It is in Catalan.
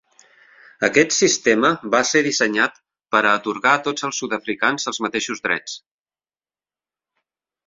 Aquest sistema va ser dissenyat per atorgar a tots els sud-africans els mateixos drets.